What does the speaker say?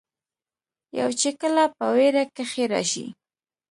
يو چې کله پۀ وېره کښې راشي